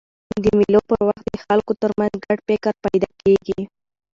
د مېلو پر وخت د خلکو ترمنځ ګډ فکر پیدا کېږي.